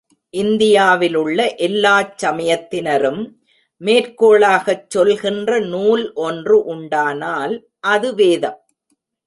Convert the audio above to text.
இந்தியாவிலுள்ள எல்லாச் சமயத்தினரும் மேற்கோளாகச் சொல்கின்ற நூல் ஒன்று உண்டானால் அது வேதம்.